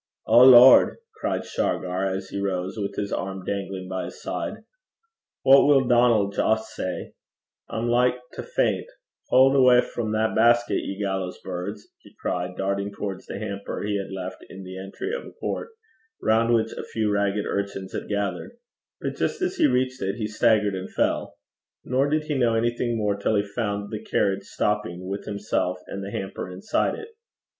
'Oh Lord!' cried Shargar, as he rose with his arm dangling by his side, 'what will Donal' Joss say? I'm like to swarf (faint). Haud awa' frae that basket, ye wuddyfous (withy fowls, gallows birds),' he cried, darting towards the hamper he had left in the entry of a court, round which a few ragged urchins had gathered; but just as he reached it he staggered and fell. Nor did he know anything more till he found the carriage stopping with himself and the hamper inside it.